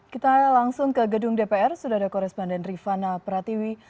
kita langsung ke gedung dpr sudah ada koresponden rifana pratiwi